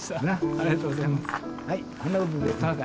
ありがとうございます。